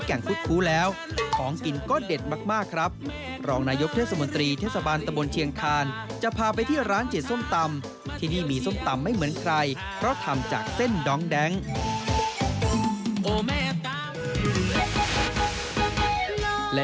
เห็นแล้วอิจฉาผู้สื่อข่าวนะได้ไปทำช่องตลอดกินเยอะแยะเลย